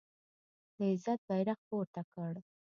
د عزت بیرغ پورته کړ